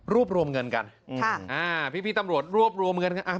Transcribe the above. รวมรวมเงินกันพี่ตำรวจรวบรวมเงินกันอ่ะ